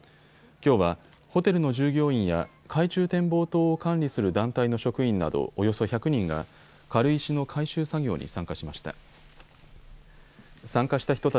きょうはホテルの従業員や海中展望塔を管理する団体の職員などおよそ１００人が軽石の回収作業に参加しました。